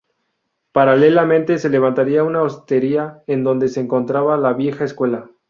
Paralelamente se levantaría una hostería en donde se encontraba la vieja escuela.